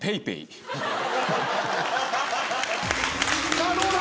さあどうだ？